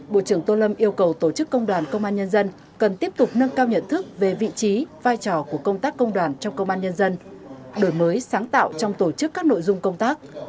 bộ trưởng tô lâm yêu cầu tổ chức công đoàn công an nhân dân cần tiếp tục nâng cao nhận thức về vị trí vai trò của công tác công đoàn trong công an nhân dân đổi mới sáng tạo trong tổ chức các nội dung công tác